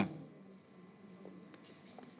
kemudian pelayanan kesehatan